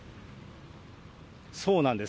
そうなんです。